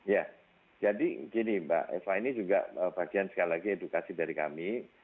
ya jadi gini mbak eva ini juga bagian sekali lagi edukasi dari kami